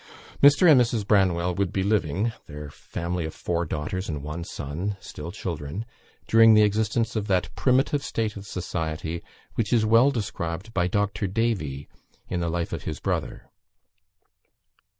Mr. and Mrs. Branwell would be living their family of four daughters and one son, still children during the existence of that primitive state of society which is well described by Dr. Davy in the life of his brother.